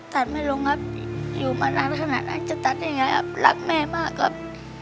ตัดไม่ลงครับอยู่มานานขนาดนั้นจะตัดยังไงครับรักแม่มากครับ